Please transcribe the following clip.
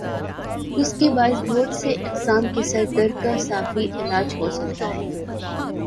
اسکے باعث بہت سی اقسام کے سر درد کا شافی علاج ہو سکتا ہے